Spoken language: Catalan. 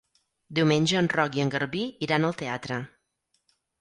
Diumenge en Roc i en Garbí iran al teatre.